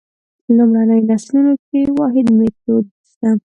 لومړنیو نسلونو کې واحد میتود شته.